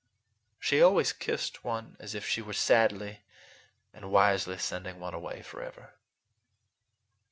She always kissed one as if she were sadly and wisely sending one away forever.